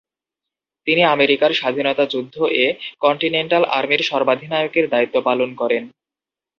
তিনি আমেরিকার স্বাধীনতা যুদ্ধ-এ কন্টিনেন্টাল আর্মির সর্বাধিনায়কের দায়িত্ব পালন করেন।